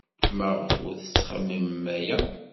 Maɣef ay tettxemmim aya?